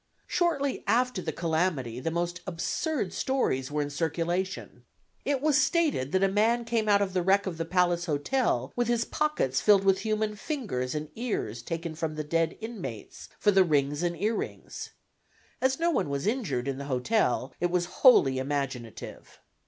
Shortly after the calamity the most absurd stories were in circulation. It was stated that a man came out of the wreck of the Palace Hotel with his pockets filled with human fingers and ears taken from the dead inmates for the rings and earrings. As no one was injured in the hotel, it was wholly imaginative.